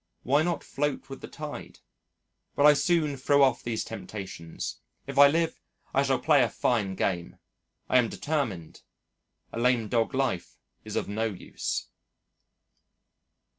Why not float with the tide? But I soon throw off these temptations. If I live, I shall play a fine game! I am determined. A lame dog life is of no use.